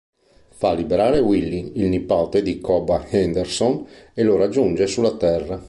Fa liberare Willy, il nipote di Cobb Anderson, e lo raggiunge sulla Terra.